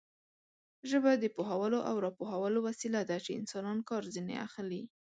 ژبه د پوهولو او راپوهولو وسیله ده چې انسانان کار ځنې اخلي.